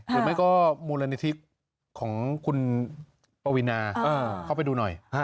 หรือไม่ก็มูลนิธิของคุณปวีนาเข้าไปดูหน่อย